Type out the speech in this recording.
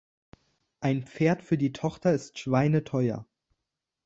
Ein Pferd für die Tochter ist schweineteuer.